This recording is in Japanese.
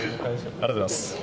ありがとうございます。